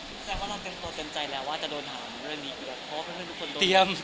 แสดงว่านายเป็นตัวเต็มใจแล้วว่าจะโดนถามเรื่องนี้หรือเป็นเพื่อนทุกคน